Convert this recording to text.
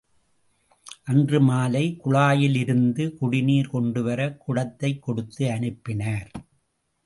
அன்று மாலை குழாயிலிருந்து குடிநீர் கொண்டுவரக் குடத்தை கொடுத்து அனுப்பினார்.